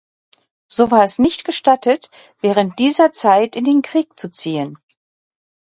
So war es nicht gestattet, während dieser Zeit in den Krieg zu ziehen.